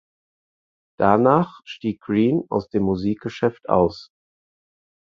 Danach stieg Green aus dem Musikgeschäft aus.